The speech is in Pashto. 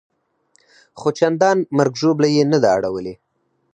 خو چندان مرګ ژوبله یې نه ده اړولې.